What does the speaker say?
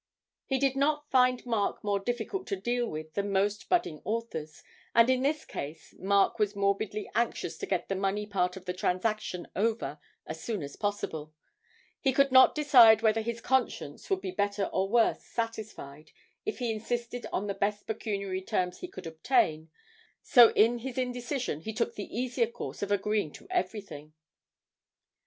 He did not find Mark more difficult to deal with than most budding authors, and in this case Mark was morbidly anxious to get the money part of the transaction over as soon as possible; he could not decide whether his conscience would be better or worse satisfied if he insisted on the best pecuniary terms he could obtain, so in his indecision he took the easier course of agreeing to everything.